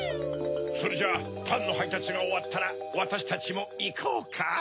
それじゃあパンのはいたつがおわったらわたしたちもいこうか。